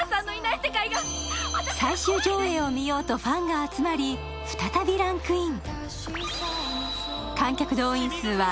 最終上映を見ようとファンが集まり、再びランクイン。